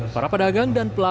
para pedagang dan pelaku